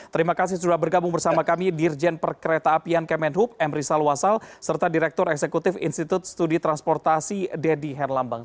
terima kasih sudah bergabung bersama kami dirjen perkereta apian kemenhub m rizal wasal serta direktur eksekutif institut studi transportasi deddy herlambang